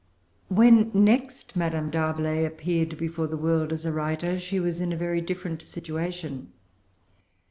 When next Madame D'Arblay appeared before the world as a writer, she was in a very different situation.